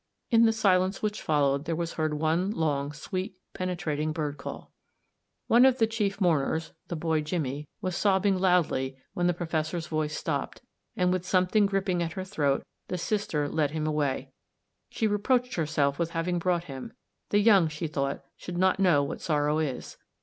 In the silence which followed there was heard one long, sweet, penetrating bird call. AN END AND A BEGINNING, 1 1 One of the chief mourners, the boy Jimmie, was sobbing loudly when the professor's voice stopped, and with something gripping at her throat, the sister led him away. She reproached herself with having brought him ; the young, she thought, should not know what sorrow is.